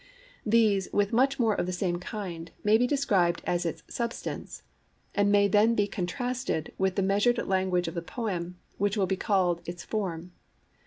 These, with much more of the same kind, may be described as its substance, and may then be contrasted with the measured language of the poem, which will be called its form.